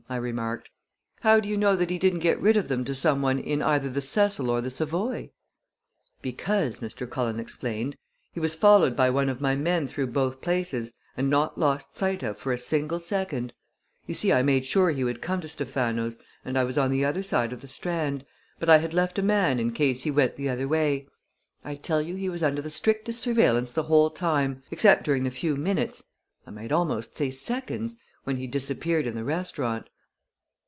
I remarked. "How do you know that he didn't get rid of them to some one in either the Cecil or the Savoy?" "Because," Mr. Cullen explained, "he was followed by one of my men through both places and not lost sight of for a single second. You see, I made sure he would come to Stephano's and I was on the other side of the Strand, but I had left a man in case he went the other way. I tell you he was under the strictest surveillance the whole time, except during the few minutes I might almost say seconds when he disappeared in the restaurant."